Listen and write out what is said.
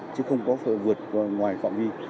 chứ không có vượt ngoài phạm vi